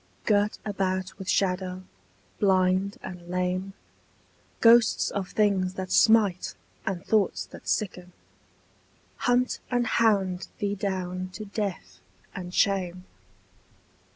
Girt about with shadow, blind and lame, Ghosts of things that smite and thoughts that sicken Hunt and hound thee down to death and shame.